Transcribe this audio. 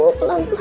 bu pelan pelan bu